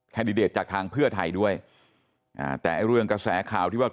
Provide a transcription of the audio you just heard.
ดิเดตจากทางเพื่อไทยด้วยอ่าแต่ไอ้เรื่องกระแสข่าวที่ว่า